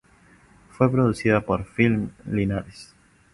Fue producida por Film Linares.